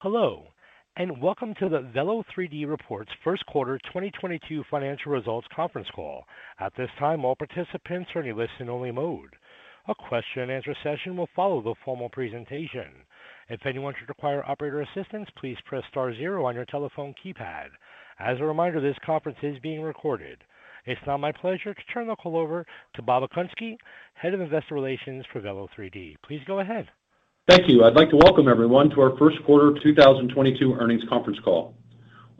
Hello, and welcome to the Velo3D reports first quarter 2022 financial results conference call. At this time, all participants are in a listen only mode. A question-and-answer session will follow the formal presentation. If anyone should require operator assistance, please press star zero on your telephone keypad. As a reminder, this conference is being recorded. It's now my pleasure to turn the call over to Bob Okunski, Head of Investor Relations for Velo3D. Please go ahead. Thank you. I'd like to welcome everyone to our first quarter 2022 earnings conference call.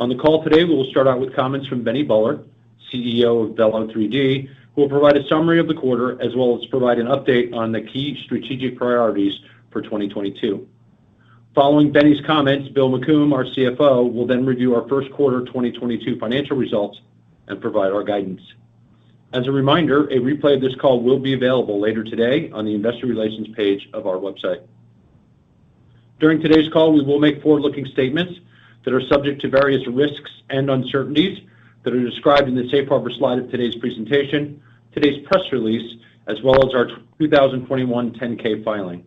On the call today, we will start out with comments from Benny Buller, CEO of Velo3D, who will provide a summary of the quarter as well as provide an update on the key strategic priorities for 2022. Following Benny's comments, Bill McCombe, our CFO, will then review our first quarter 2022 financial results and provide our guidance. As a reminder, a replay of this call will be available later today on the investor relations page of our website. During today's call, we will make forward-looking statements that are subject to various risks and uncertainties that are described in the safe harbor slide of today's presentation, today's press release, as well as our 2021 10-K filing.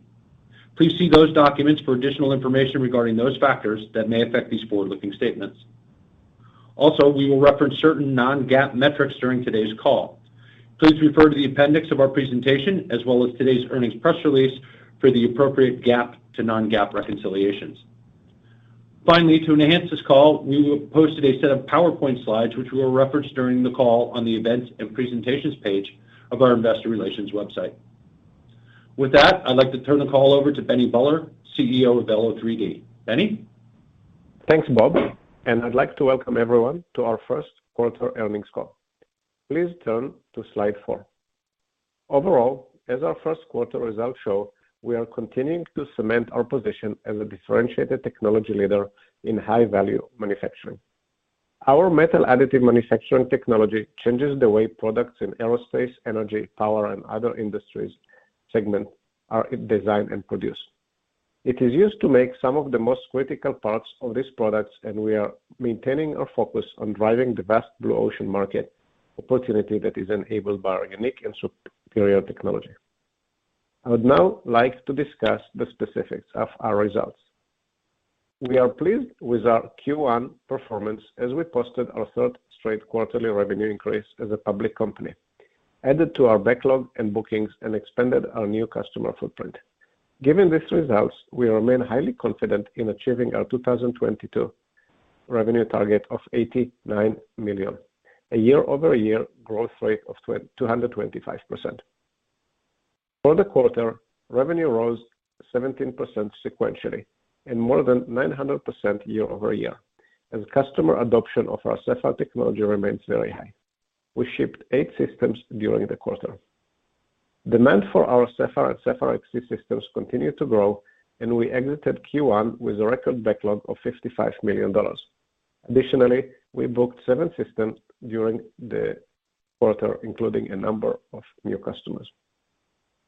Please see those documents for additional information regarding those factors that may affect these forward-looking statements. Also, we will reference certain non-GAAP metrics during today's call. Please refer to the appendix of our presentation as well as today's earnings press release for the appropriate GAAP to non-GAAP reconciliations. Finally, to enhance this call, we have posted a set of PowerPoint slides which we will reference during the call on the events and presentations page of our Investor Relations website. With that, I'd like to turn the call over to Benny Buller, CEO of Velo3D. Benny? Thanks, Bob, and I'd like to welcome everyone to our first quarter earnings call. Please turn to slide four. Overall, as our first quarter results show, we are continuing to cement our position as a differentiated technology leader in high-value manufacturing. Our metal additive manufacturing technology changes the way products in Aerospace, Energy, Power, and other industries segment are designed and produced. It is used to make some of the most critical parts of these products, and we are maintaining our focus on driving the vast blue ocean market opportunity that is enabled by our unique and superior technology. I would now like to discuss the specifics of our results. We are pleased with our Q1 performance as we posted our third straight quarterly revenue increase as a public company, added to our backlog and bookings, and expanded our new customer footprint. Given these results, we remain highly confident in achieving our 2022 revenue target of $89 million, a year-over-year growth rate of 225%. For the quarter, revenue rose 17% sequentially and more than 900% year-over-year as customer adoption of our Sapphire technology remains very high. We shipped eight systems during the quarter. Demand for our Sapphire and Sapphire XC systems continued to grow, and we exited Q1 with a record backlog of $55 million. Additionally, we booked seven systems during the quarter, including a number of new customers.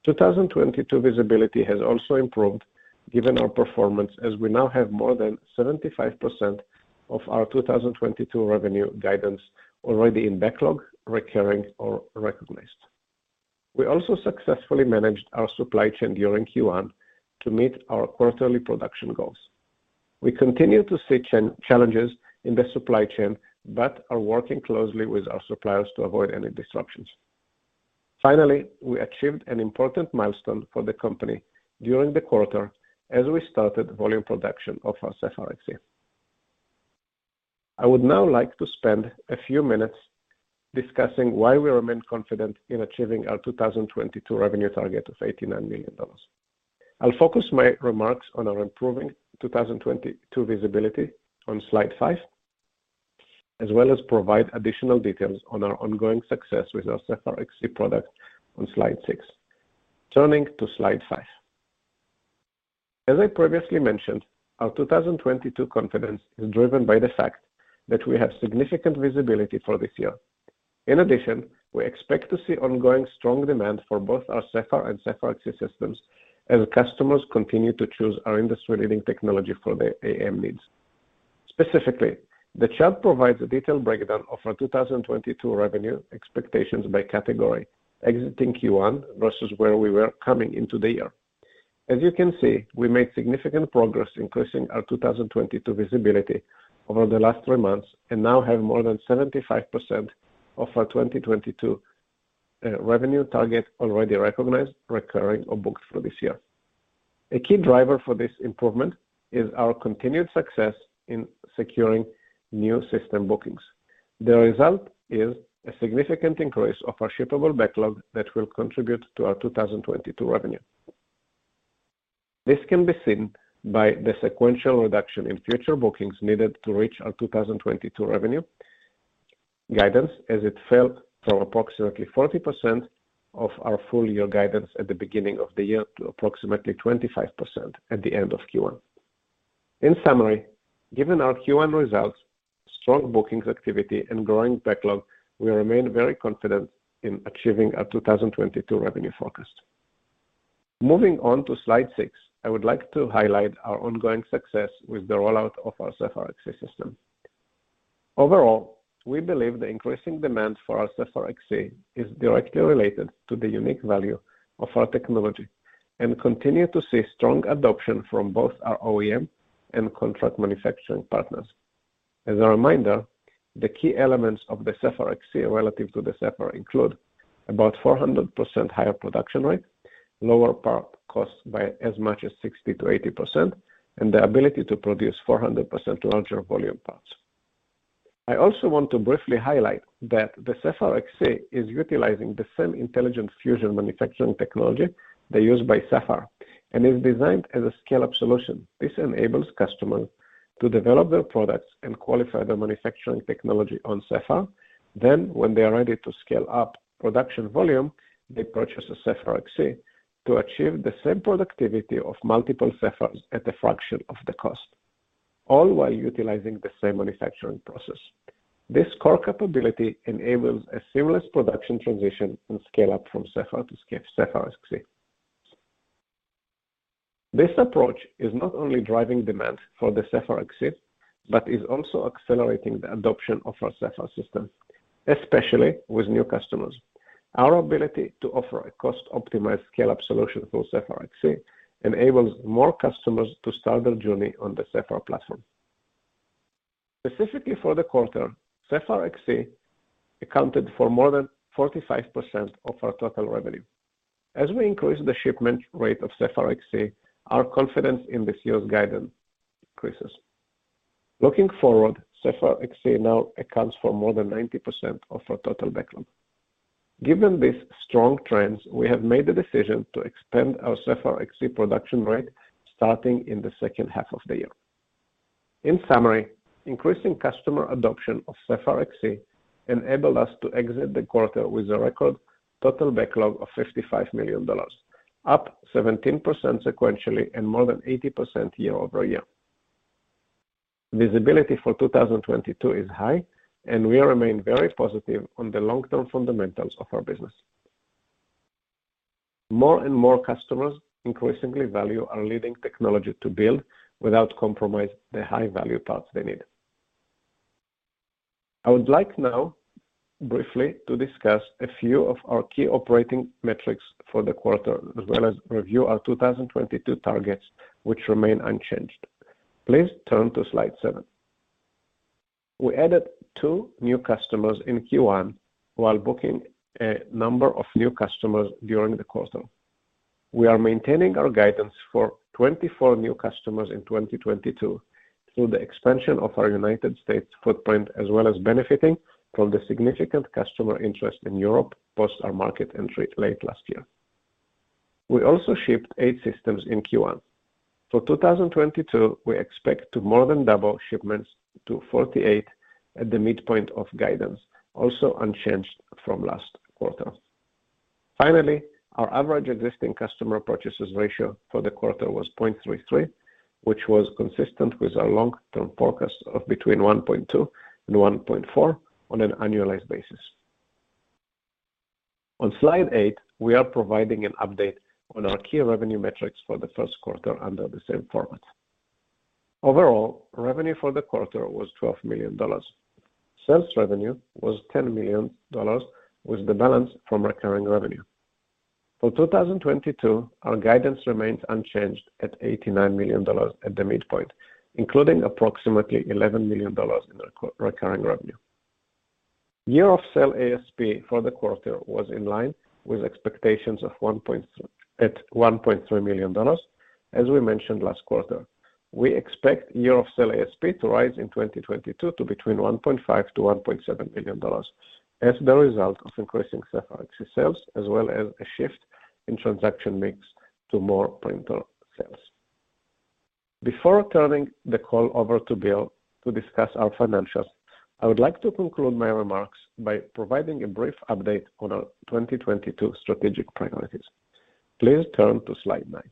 2022 visibility has also improved given our performance as we now have more than 75% of our 2022 revenue guidance already in backlog, recurring, or recognized. We also successfully managed our supply chain during Q1 to meet our quarterly production goals. We continue to see challenges in the supply chain, but are working closely with our suppliers to avoid any disruptions. Finally, we achieved an important milestone for the company during the quarter as we started volume production of our Sapphire XC. I would now like to spend a few minutes discussing why we remain confident in achieving our 2022 revenue target of $89 million. I'll focus my remarks on our improving 2022 visibility on slide five, as well as provide additional details on our ongoing success with our Sapphire XC product on slide six. Turning to slide five As I previously mentioned, our 2022 confidence is driven by the fact that we have significant visibility for this year. In addition, we expect to see ongoing strong demand for both our Sapphire and Sapphire XC systems as customers continue to choose our industry-leading technology for their AM needs. Specifically, the chart provides a detailed breakdown of our 2022 revenue expectations by category exiting Q1 versus where we were coming into the year. As you can see, we made significant progress increasing our 2022 visibility over the last three months and now have more than 75% of our 2022 revenue target already recognized, recurring, or booked for this year. A key driver for this improvement is our continued success in securing new system bookings. The result is a significant increase of our shippable backlog that will contribute to our 2022 revenue. This can be seen by the sequential reduction in future bookings needed to reach our 2022 revenue guidance as it fell from approximately 40% of our full year guidance at the beginning of the year to approximately 25% at the end of Q1. In summary, given our Q1 results, strong bookings activity, and growing backlog, we remain very confident in achieving our 2022 revenue forecast. Moving on to slide six, I would like to highlight our ongoing success with the rollout of our Sapphire XC system. Overall, we believe the increasing demand for our Sapphire XC is directly related to the unique value of our technology and continue to see strong adoption from both our OEM and contract manufacturing partners. As a reminder, the key elements of the Sapphire XC relative to the Sapphire include about 400% higher production rate, lower part cost by as much as 60%-80%, and the ability to produce 400% larger volume parts. I also want to briefly highlight that the Sapphire XC is utilizing the same Intelligent Fusion manufacturing technology they use in Sapphire and is designed as a scale-up solution. This enables customers to develop their products and qualify their manufacturing technology on Sapphire. Then when they are ready to scale up production volume, they purchase a Sapphire XC to achieve the same productivity of multiple Sapphires at a fraction of the cost, all while utilizing the same manufacturing process. This core capability enables a seamless production transition and scale-up from Sapphire to Sapphire XC. This approach is not only driving demand for the Sapphire XC, but is also accelerating the adoption of our Sapphire system, especially with new customers. Our ability to offer a cost-optimized scale-up solution for Sapphire XC enables more customers to start their journey on the Sapphire platform. Specifically for the quarter, Sapphire XC accounted for more than 45% of our total revenue. As we increase the shipment rate of Sapphire XC, our confidence in this year's guidance increases. Looking forward, Sapphire XC now accounts for more than 90% of our total backlog. Given these strong trends, we have made the decision to expand our Sapphire XC production rate starting in the second half of the year. In summary, increasing customer adoption of Sapphire XC enabled us to exit the quarter with a record total backlog of $55 million, up 17% sequentially and more than 80% year-over-year. Visibility for 2022 is high, and we remain very positive on the long-term fundamentals of our business. More and more customers increasingly value our leading technology to build without compromise the high-value parts they need. I would like now briefly to discuss a few of our key operating metrics for the quarter, as well as review our 2022 targets, which remain unchanged. Please turn to slide seven. We added two new customers in Q1 while booking a number of new customers during the quarter. We are maintaining our guidance for 24 new customers in 2022 through the expansion of our United States footprint, as well as benefiting from the significant customer interest in Europe post our market entry late last year. We also shipped eight systems in Q1. For 2022, we expect to more than double shipments to 48 at the midpoint of guidance, also unchanged from last quarter. Finally, our average existing customer purchases ratio for the quarter was 0.33, which was consistent with our long-term forecast of between 1.2 and 1.4 on an annualized basis. On slide eight, we are providing an update on our key revenue metrics for the first quarter under the same format. Overall, revenue for the quarter was $12 million. Sales revenue was $10 million, with the balance from recurring revenue. For 2022, our guidance remains unchanged at $89 million at the midpoint, including approximately $11 million in recurring revenue. Year of sale ASP for the quarter was in line with expectations of $1.3 million. As we mentioned last quarter, we expect year of sale ASP to rise in 2022 to between $1.5 million-$1.7 million as the result of increasing Sapphire XC sales, as well as a shift in transaction mix to more printer sales. Before turning the call over to Bill to discuss our financials, I would like to conclude my remarks by providing a brief update on our 2022 strategic priorities. Please turn to slide nine.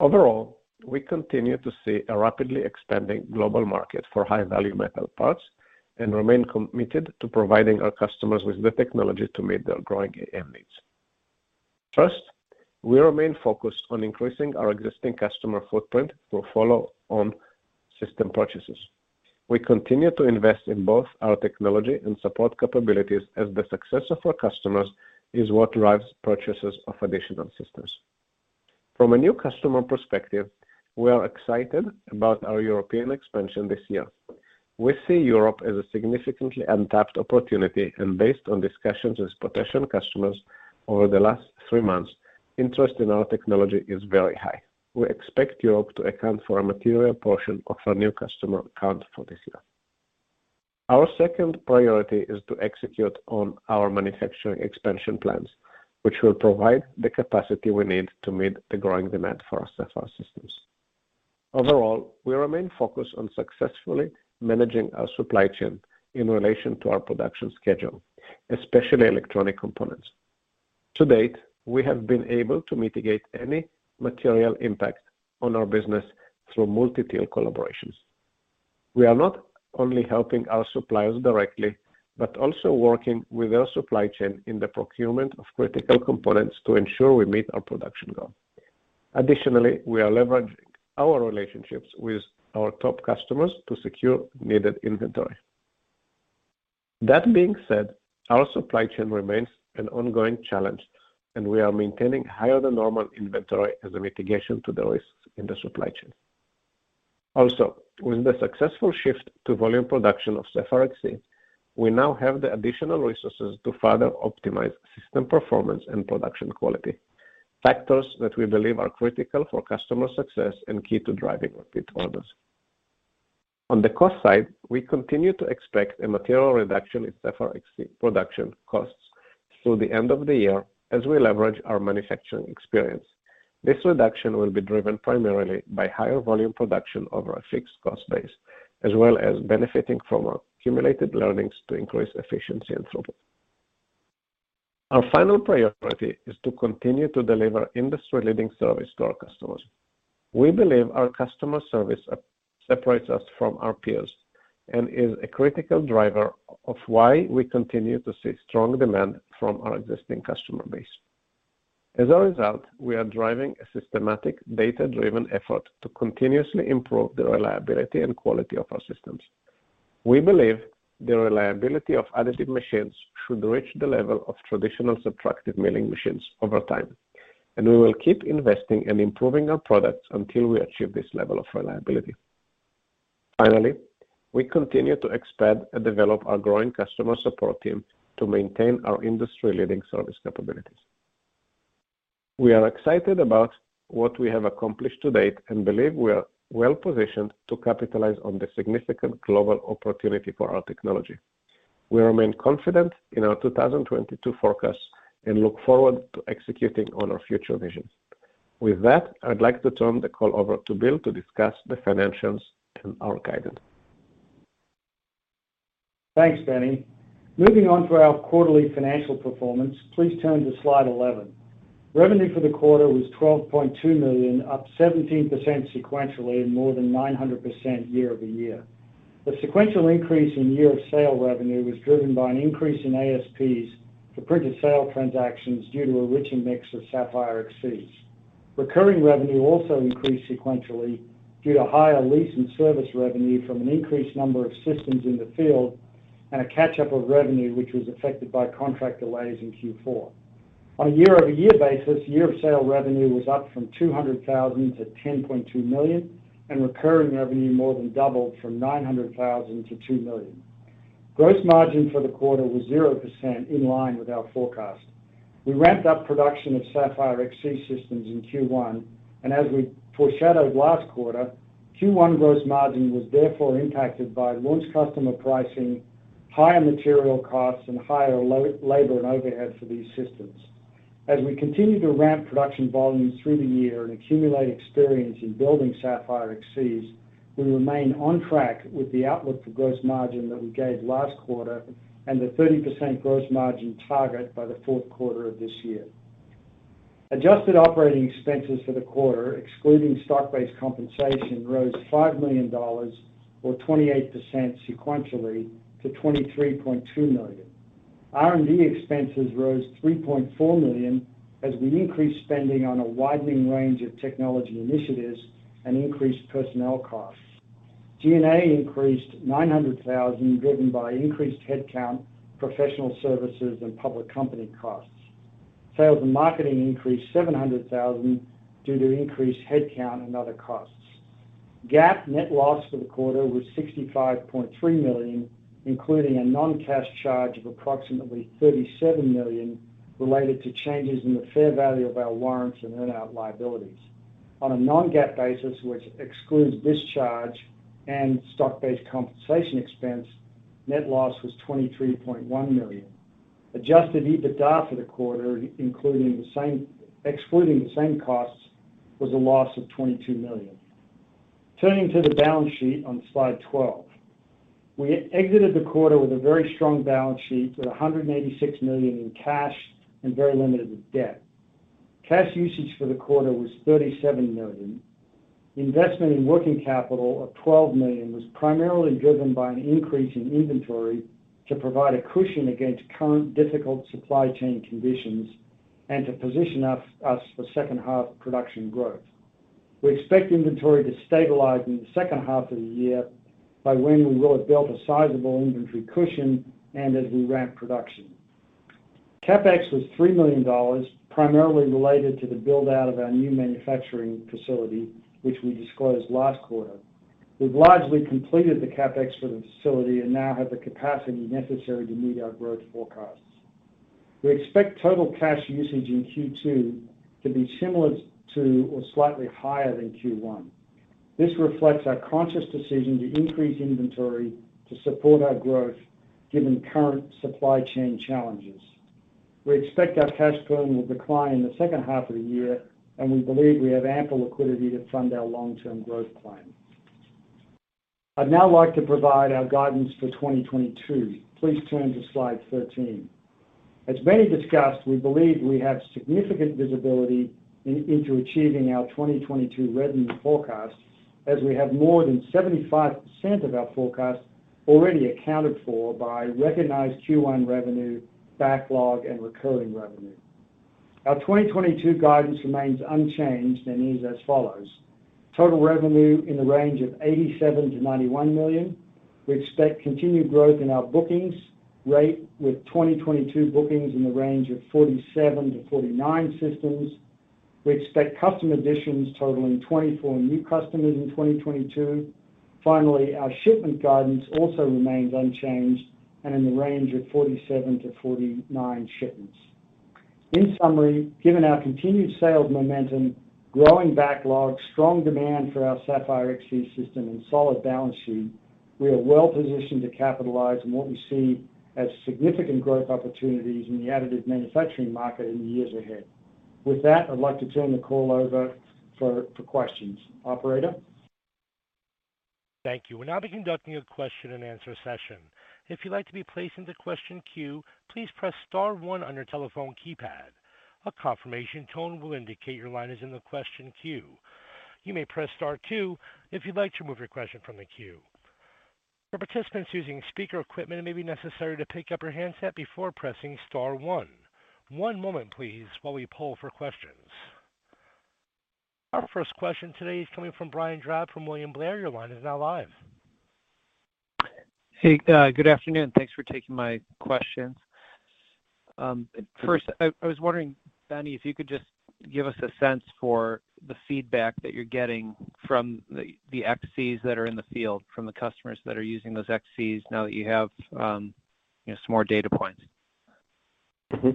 Overall, we continue to see a rapidly expanding global market for high-value metal parts and remain committed to providing our customers with the technology to meet their growing AM needs. First, we remain focused on increasing our existing customer footprint for follow on system purchases. We continue to invest in both our technology and support capabilities as the success of our customers is what drives purchases of additional systems. From a new customer perspective, we are excited about our European expansion this year. We see Europe as a significantly untapped opportunity and based on discussions with potential customers over the last three months, interest in our technology is very high. We expect Europe to account for a material portion of our new customer count for this year. Our second priority is to execute on our manufacturing expansion plans, which will provide the capacity we need to meet the growing demand for our Sapphire systems. Overall, we remain focused on successfully managing our supply chain in relation to our production schedule, especially electronic components. To date, we have been able to mitigate any material impact on our business through multi-tier collaborations. We are not only helping our suppliers directly, but also working with our supply chain in the procurement of critical components to ensure we meet our production goals. Additionally, we are leveraging our relationships with our top customers to secure needed inventory. That being said, our supply chain remains an ongoing challenge, and we are maintaining higher than normal inventory as a mitigation to the risks in the supply chain. Also, with the successful shift to volume production of Sapphire XC, we now have the additional resources to further optimize system performance and production quality, factors that we believe are critical for customer success and key to driving repeat orders. On the cost side, we continue to expect a material reduction in Sapphire XC production costs through the end of the year as we leverage our manufacturing experience. This reduction will be driven primarily by higher volume production over a fixed cost base, as well as benefiting from our accumulated learnings to increase efficiency and throughput. Our final priority is to continue to deliver industry-leading service to our customers. We believe our customer service separates us from our peers and is a critical driver of why we continue to see strong demand from our existing customer base. As a result, we are driving a systematic data-driven effort to continuously improve the reliability and quality of our systems. We believe the reliability of additive machines should reach the level of traditional subtractive milling machines over time, and we will keep investing and improving our products until we achieve this level of reliability. Finally, we continue to expand and develop our growing customer support team to maintain our industry-leading service capabilities. We are excited about what we have accomplished to date and believe we are well-positioned to capitalize on the significant global opportunity for our technology. We remain confident in our 2022 forecast and look forward to executing on our future visions. With that, I'd like to turn the call over to Bill to discuss the financials and our guidance. Thanks, Bennny. Moving on to our quarterly financial performance, please turn to slide 11. Revenue for the quarter was $12.2 million, up 17% sequentially and more than 900% year-over-year. The sequential increase in year of sale revenue was driven by an increase in ASPs for printed sale transactions due to a richer mix of Sapphire XCs. Recurring revenue also increased sequentially due to higher lease and service revenue from an increased number of systems in the field and a catch-up of revenue which was affected by contract delays in Q4. On a year-over-year basis, year of sale revenue was up from $200,000 to $10.2 million, and recurring revenue more than doubled from $900,000 to $2 million. Gross margin for the quarter was 0% in line with our forecast. We ramped up production of Sapphire XC systems in Q1, and as we foreshadowed last quarter, Q1 gross margin was therefore impacted by launch customer pricing, higher material costs, and higher labor and overhead for these systems. As we continue to ramp production volumes through the year and accumulate experience in building Sapphire XCs, we remain on track with the outlook for gross margin that we gave last quarter and the 30% gross margin target by the fourth quarter of this year. Adjusted operating expenses for the quarter, excluding stock-based compensation, rose $5 million or 28% sequentially to $23.2 million. R&D expenses rose $3.4 million as we increased spending on a widening range of technology initiatives and increased personnel costs. G&A increased $900,000, driven by increased headcount, professional services, and public company costs. Sales and marketing increased $700,000 due to increased headcount and other costs. GAAP net loss for the quarter was $65.3 million, including a non-cash charge of approximately $37 million related to changes in the fair value of our warrants and earn-out liabilities. On a non-GAAP basis, which excludes this charge and stock-based compensation expense, net loss was $23.1 million. Adjusted EBITDA for the quarter, excluding the same costs, was a loss of $22 million. Turning to the balance sheet on slide 12. We exited the quarter with a very strong balance sheet with $186 million in cash and very limited debt. Cash usage for the quarter was $37 million. Investment in working capital of $12 million was primarily driven by an increase in inventory to provide a cushion against current difficult supply chain conditions and to position us for second half production growth. We expect inventory to stabilize in the second half of the year by when we will have built a sizable inventory cushion and as we ramp production. CapEx was $3 million, primarily related to the build-out of our new manufacturing facility, which we disclosed last quarter. We've largely completed the CapEx for the facility and now have the capacity necessary to meet our growth forecasts. We expect total cash usage in Q2 to be similar to or slightly higher than Q1. This reflects our conscious decision to increase inventory to support our growth given current supply chain challenges. We expect our cash burn will decline in the second half of the year, and we believe we have ample liquidity to fund our long-term growth plan. I'd now like to provide our guidance for 2022. Please turn to slide 13. As Benny discussed, we believe we have significant visibility into achieving our 2022 revenue forecast. As we have more than 75% of our forecast already accounted for by recognized Q1 revenue, backlog, and recurring revenue. Our 2022 guidance remains unchanged and is as follows: Total revenue in the range of $87 million-$91 million. We expect continued growth in our bookings rate with 2022 bookings in the range of 47-49 systems. We expect customer additions totaling 24 new customers in 2022. Finally, our shipment guidance also remains unchanged and in the range of 47-49 shipments. In summary, given our continued sales momentum, growing backlog, strong demand for our Sapphire XC system, and solid balance sheet, we are well positioned to capitalize on what we see as significant growth opportunities in the additive manufacturing market in the years ahead. With that, I'd like to turn the call over for questions. Operator? Thank you. We'll now be conducting a question-and-answer session. If you'd like to be placed into question queue, please press star one on your telephone keypad. A confirmation tone will indicate your line is in the question queue. You may press star two if you'd like to remove your question from the queue. For participants using speaker equipment, it may be necessary to pick up your handset before pressing star one. One moment, please, while we poll for questions. Our first question today is coming from Brian Drab from William Blair. Your line is now live. Hey, good afternoon. Thanks for taking my questions. First, I was wondering, Benny, if you could just give us a sense for the feedback that you're getting from the XCs that are in the field, from the customers that are using those XCs now that you have, you know, some more data points. Yeah,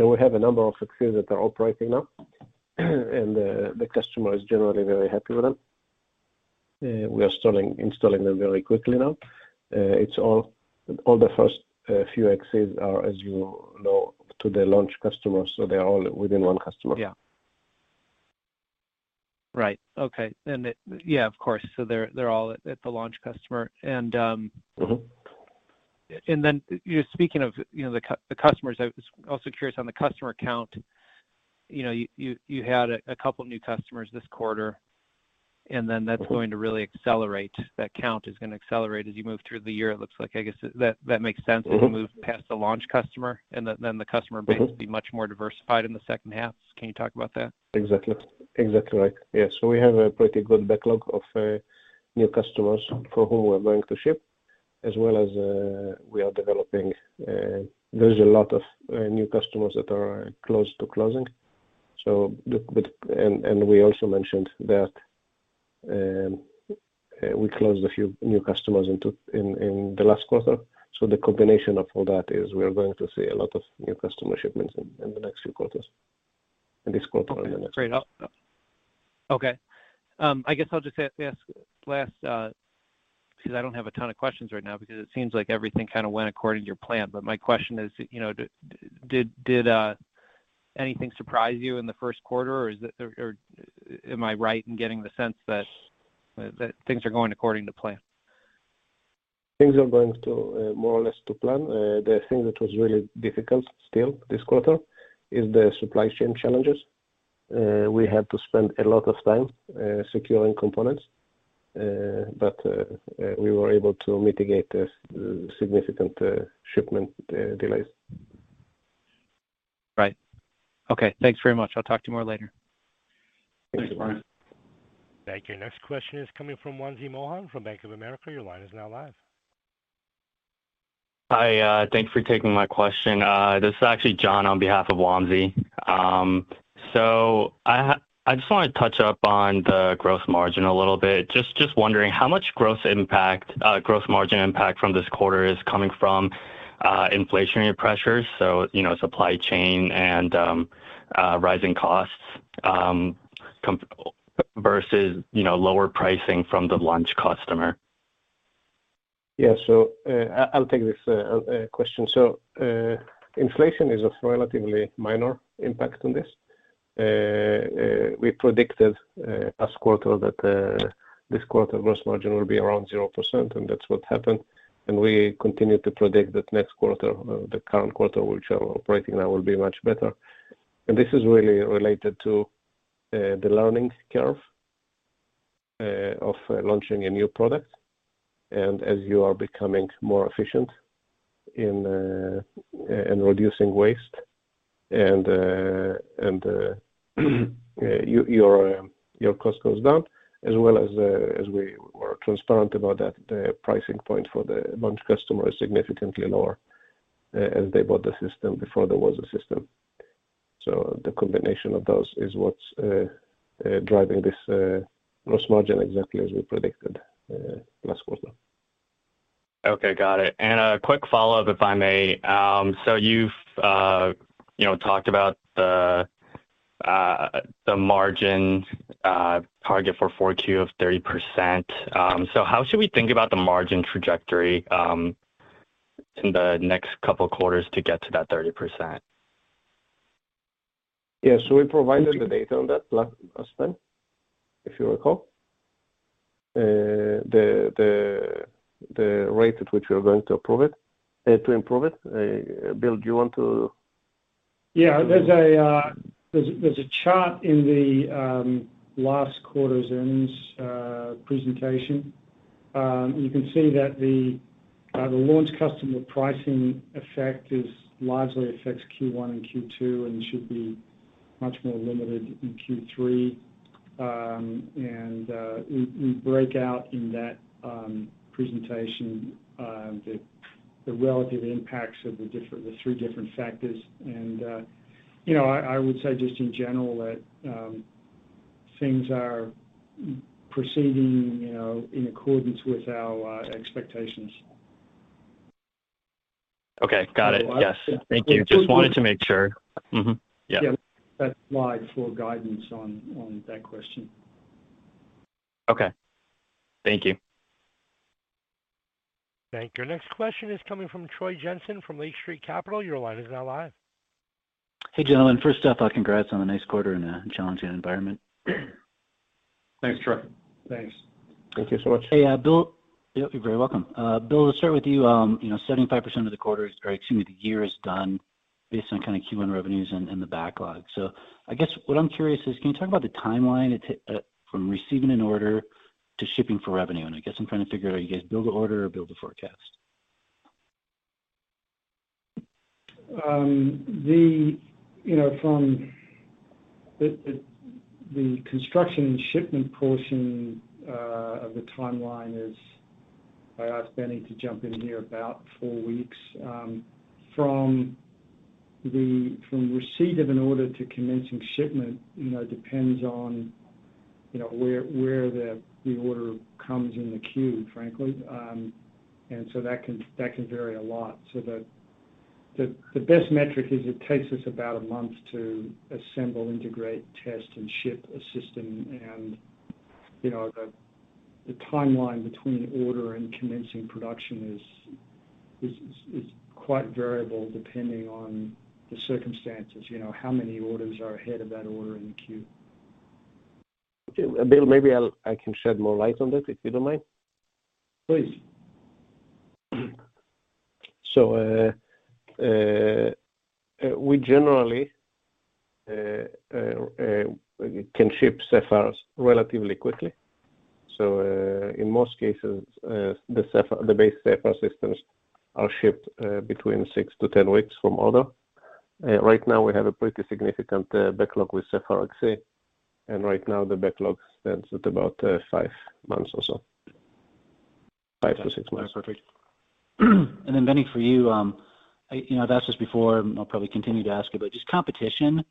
we have a number of XCs that are operating now, and the customer is generally very happy with them. We are installing them very quickly now. It's all the first few XCs are, as you know, to the launch customers, so they are all within one customer. Yeah. Right. Okay. Yeah, of course. They're all at the launch customer and Mm-hmm. Then you're speaking of, you know, the customers. I was also curious on the customer count. You know, you had a couple new customers this quarter, and then that's going to really accelerate. That count is gonna accelerate as you move through the year, it looks like. I guess that makes sense as you move past the launch customer and then the customer base be much more diversified in the second half. Can you talk about that? Exactly. Exactly right. Yeah. We have a pretty good backlog of new customers for whom we're going to ship. There's a lot of new customers that are close to closing. We also mentioned that we closed a few new customers in the last quarter. The combination of all that is we are going to see a lot of new customer shipments in the next few quarters. In this quarter and the next. Okay. Great. I'll just ask last because I don't have a ton of questions right now because it seems like everything kind of went according to your plan. My question is, you know, did anything surprise you in the first quarter, or am I right in getting the sense that things are going according to plan? Things are going more or less to plan. The thing that was really difficult still this quarter is the supply chain challenges. We had to spend a lot of time securing components, but we were able to mitigate the significant shipment delays. Right. Okay. Thanks very much. I'll talk to you more later. Thanks, Brian. Thank you. Next question is coming from Wamsi Mohan from Bank of America. Your line is now live. Hi. Thanks for taking my question. This is actually John on behalf of Wamsi. I just wanna touch on the gross margin a little bit. Just wondering how much gross margin impact from this quarter is coming from inflationary pressures. You know, supply chain and rising costs versus, you know, lower pricing from the launch customer. Yeah. I'll take this question. Inflation is of relatively minor impact on this. We predicted last quarter that this quarter gross margin will be around 0%, and that's what happened. We continue to predict that next quarter, the current quarter which are operating now will be much better. This is really related to the learning curve of launching a new product. As you are becoming more efficient in reducing waste and your cost goes down as well as we were transparent about that, the price point for the launch customer is significantly lower, as they bought the system before there was a system. The combination of those is what's driving this gross margin exactly as we predicted last quarter. Okay, got it. A quick follow-up, if I may. You've you know talked about the margin target for Q4 of 30%. How should we think about the margin trajectory in the next couple quarters to get to that 30%? Yeah. We provided the data on that last time, if you recall. The rate at which we are going to approve it, to improve it. Bill, do you want to? Yeah, there's a chart in the last quarter's earnings presentation. You can see that the launch customer pricing effect is largely affects Q1 and Q2 and should be much more limited in Q3. We break out in that presentation the relative impacts of the three different factors. You know, I would say just in general that things are proceeding, you know, in accordance with our expectations. Okay. Got it. Yes. Thank you. Just wanted to make sure. Yeah. Yeah. That slide for guidance on that question. Okay. Thank you. Thank you. Next question is coming from Troy Jensen from Lake Street Capital. Your line is now live. Hey, gentlemen. First off, congrats on a nice quarter in a challenging environment. Thanks, Troy. Thanks. Thank you so much. Hey, Bill. Yep, you're very welcome. Bill, let's start with you. You know, 75% of the year is done based on kinda Q1 revenues and the backlog. I guess what I'm curious is, can you talk about the timeline from receiving an order to shipping for revenue? I guess I'm trying to figure out, you guys build to order or build to forecast. You know, the construction and shipment portion of the timeline is. I ask Benny to jump in here, about four weeks. From receipt of an order to commencing shipment, you know, depends on where the order comes in the queue, frankly. That can vary a lot. The best metric is it takes us about a month to assemble, integrate, test, and ship a system. You know, the timeline between order and commencing production is quite variable depending on the circumstances. You know, how many orders are ahead of that order in the queue. Okay. Bill, maybe I can shed more light on this, if you don't mind. Please. We generally can ship Sapphires relatively quickly. In most cases, the Sapphire, the base Sapphire systems are shipped between six to 10 weeks from order. Right now we have a pretty significant backlog with Sapphire XC, and right now the backlog stands at about Five months or so. Five to six months. That's perfect. Benny, for you know, I've asked this before, and I'll probably continue to ask it, but just competition.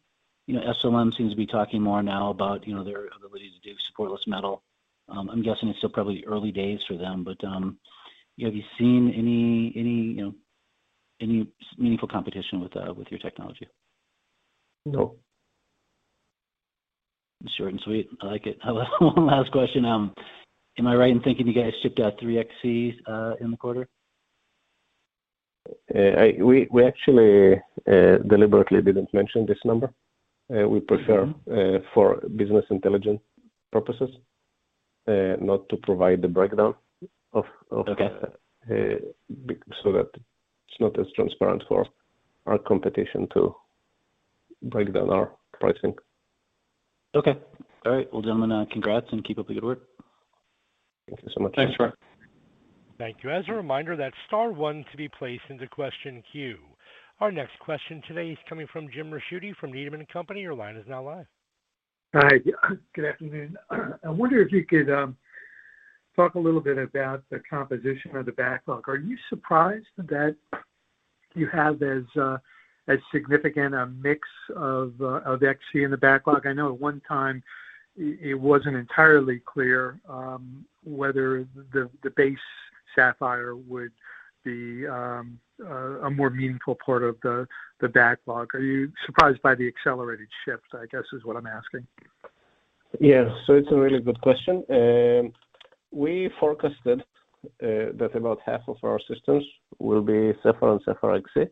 You know, SLM seems to be talking more now about, you know, their ability to do supportless metal. I'm guessing it's still probably early days for them, but have you seen any, you know, any meaningful competition with your technology? No. Short and sweet. I like it. One last question. Am I right in thinking you guys shipped out 3 XCs in the quarter? We actually deliberately didn't mention this number. We prefer for business intelligence purposes not to provide the breakdown of Okay. So that it's not as transparent for our competition to break down our pricing. Okay. All right. Well, gentlemen, congrats and keep up the good work. Thank you so much. Thanks, Troy. Thank you. As a reminder, that's star one to be placed into question queue. Our next question today is coming from Jim Ricchiuti from Needham & Company. Your line is now live. Hi. Good afternoon. I wonder if you could talk a little bit about the composition of the backlog. Are you surprised that you have as significant a mix of XC in the backlog? I know at one time it wasn't entirely clear whether the base Sapphire would be a more meaningful part of the backlog. Are you surprised by the accelerated shifts, I guess, is what I'm asking? Yeah. It's a really good question. We forecasted that about half of our systems will be Sapphire and Sapphire XC.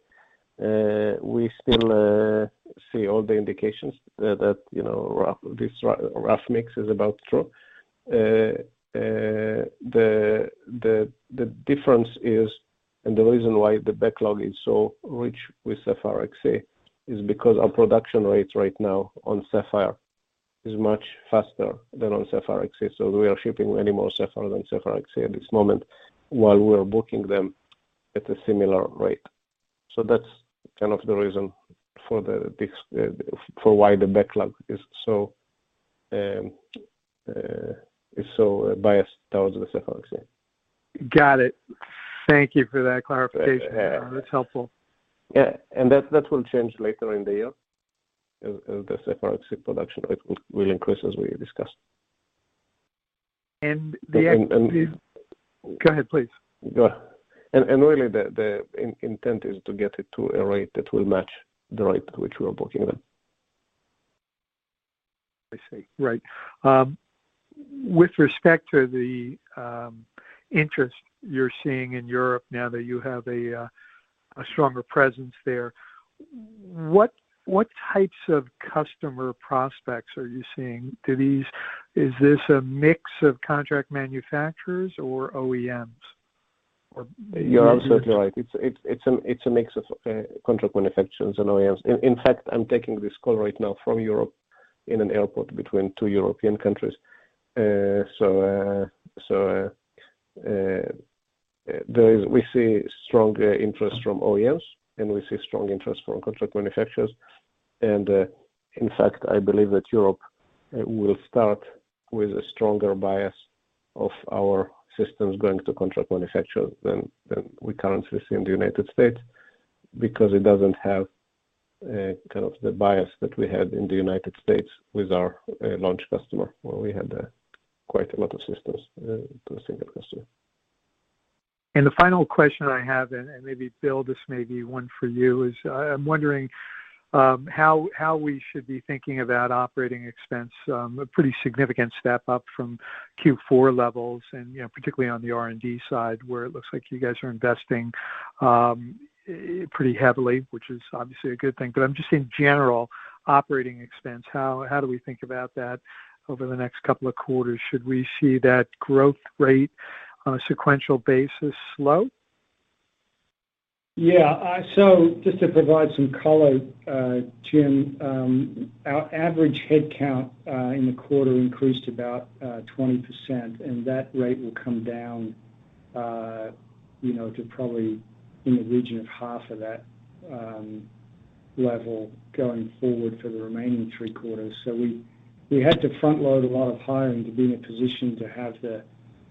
We still see all the indications that, you know, this rough mix is about right. The difference is, and the reason why the backlog is so rich with Sapphire XC is because our production rates right now on Sapphire is much faster than on Sapphire XC. We are shipping many more Sapphire than Sapphire XC at this moment while we are booking them at a similar rate. That's kind of the reason for why the backlog is so biased towards the Sapphire XC. Got it. Thank you for that clarification. Yeah. That's helpful. Yeah. That will change later in the year as the Sapphire XC production rate will increase as we discussed. The X is. And, and- Go ahead, please. Go ahead. Really, the intent is to get it to a rate that will match the rate which we are booking them. I see. Right. With respect to the interest you're seeing in Europe now that you have a stronger presence there, what types of customer prospects are you seeing? Is this a mix of contract manufacturers or OEMs? You're absolutely right. It's a mix of contract manufacturers and OEMs. In fact, I'm taking this call right now from Europe in an airport between two European countries. We see strong interest from OEMs, and we see strong interest from contract manufacturers. In fact, I believe that Europe will start with a stronger bias of our systems going to contract manufacturers than we currently see in the United States because it doesn't have kind of the bias that we had in the United States with our launch customer, where we had quite a lot of systems to a single customer. The final question I have, and maybe Bill, this may be one for you, is I'm wondering, how we should be thinking about operating expense, a pretty significant step up from Q4 levels and, you know, particularly on the R&D side, where it looks like you guys are investing, pretty heavily, which is obviously a good thing. I'm just in general operating expense, how do we think about that over the next couple of quarters? Should we see that growth rate on a sequential basis slow? Yeah. Just to provide some color, Jim, our average headcount in the quarter increased about 20%, and that rate will come down, you know, to probably in the region of half of that level going forward for the remaining three quarters. We had to front-load a lot of hiring to be in a position to have the.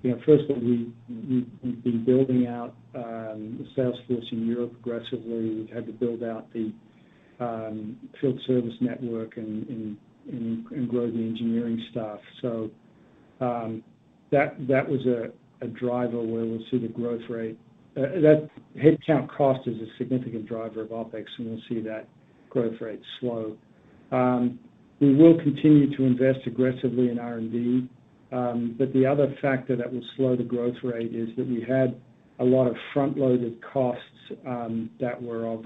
You know, first of all, we've been building out the sales force in Europe aggressively. We've had to build out the field service network and grow the engineering staff. That was a driver where we'll see the growth rate. That headcount cost is a significant driver of OpEx, and we'll see that growth rate slow. We will continue to invest aggressively in R&D. The other factor that will slow the growth rate is that we had a lot of front-loaded costs that were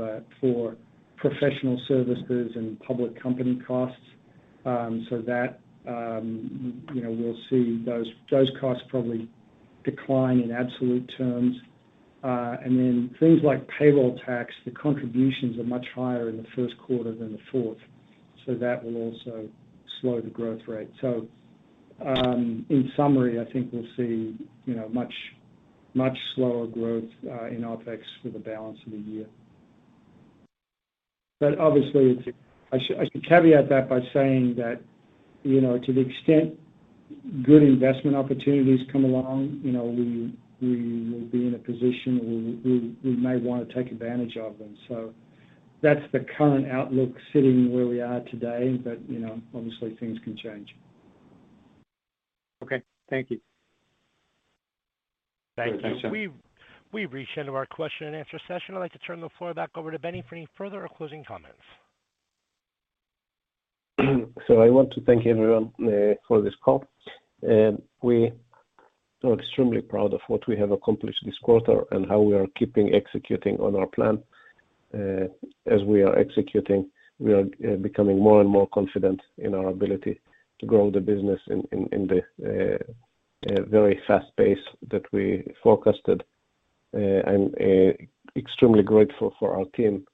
for professional services and public company costs. That you know we'll see those costs probably decline in absolute terms. Then things like payroll tax, the contributions are much higher in the first quarter than the fourth, so that will also slow the growth rate. In summary, I think we'll see you know much slower growth in OpEx for the balance of the year. Obviously, I should caveat that by saying that you know to the extent good investment opportunities come along you know we will be in a position where we may wanna take advantage of them. That's the current outlook sitting where we are today, but, you know, obviously things can change. Okay. Thank you. Thank you. Thank you. We've reached the end of our question and answer session. I'd like to turn the floor back over to Benny for any further or closing comments. I want to thank everyone for this call. We are extremely proud of what we have accomplished this quarter and how we are keeping executing on our plan. As we are executing, we are becoming more and more confident in our ability to grow the business in the very fast pace that we forecasted. I'm extremely grateful for our team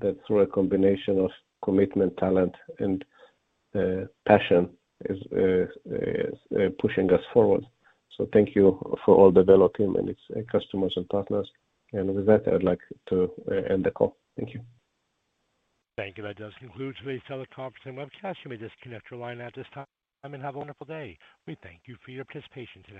that through a combination of commitment, talent and passion is pushing us forward. Thank you for all the Velo team and its customers and partners. With that, I'd like to end the call. Thank you. Thank you. That does conclude today's teleconference and webcast. You may disconnect your line at this time, and have a wonderful day. We thank you for your participation today.